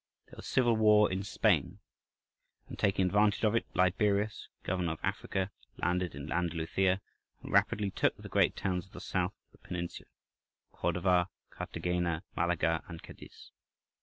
There was civil war in Spain, and, taking advantage of it, Liberius, governor of Africa, landed in Andalusia, and rapidly took the great towns of the south of the peninsula—Cordova, Cartagena, Malaga, and Cadiz.